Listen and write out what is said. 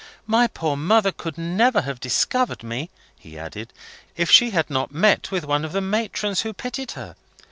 "My poor mother could never have discovered me," he added, "if she had not met with one of the matrons who pitied her.